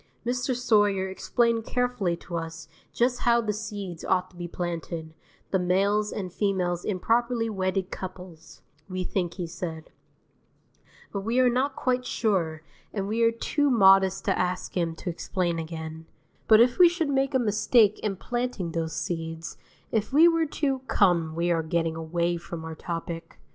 Mr. Sawyer explained carefully to us just how the seeds ought to be planted, the males and females in properly wedded couples, we think he said; but we are not quite sure, and we are too modest to ask him to explain again; but if we should make a mistake in planting those seeds, if we were to Come, we are getting away from our topic.